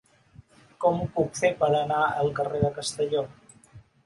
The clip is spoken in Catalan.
Com ho puc fer per anar al carrer de Castelló?